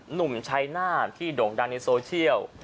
หนุ่มชัยนาธที่โด่งดังในโซเชียล